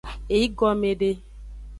Eygome de.